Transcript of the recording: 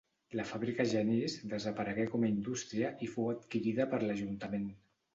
La fàbrica Genís desaparegué com a indústria i fou adquirida per l'Ajuntament.